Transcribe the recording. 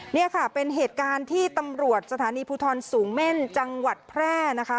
นี่ค่ะเป็นเหตุการณ์ที่ตำรวจสถานีภูทรสูงเม่นจังหวัดแพร่นะคะ